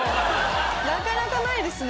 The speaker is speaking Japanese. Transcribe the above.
なかなかないですね